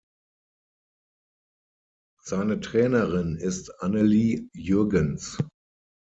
Seine Trainerin ist Annelie Jürgens.